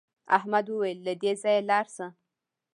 احمد وویل له دې ځایه لاړ شه.